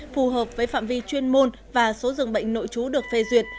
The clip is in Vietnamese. phù hợp với phạm vi chuyên môn và số dường bệnh nội trú được phê duyệt